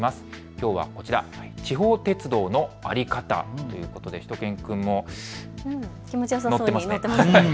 きょうはこちら、地方鉄道の在り方ということでしゅと犬くんも乗ってますね。